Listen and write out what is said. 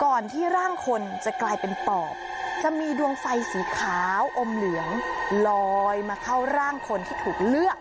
ที่ร่างคนจะกลายเป็นปอบจะมีดวงไฟสีขาวอมเหลืองลอยมาเข้าร่างคนที่ถูกเลือก